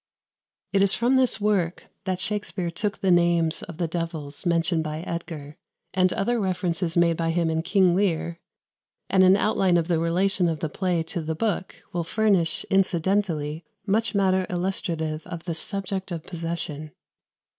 It is from this work that Shakspere took the names of the devils mentioned by Edgar, and other references made by him in "King Lear;" and an outline of the relation of the play to the book will furnish incidentally much matter illustrative of the subject of possession.